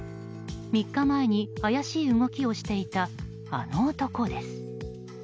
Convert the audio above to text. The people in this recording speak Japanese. ３日前に怪しい動きをしていたあの男です。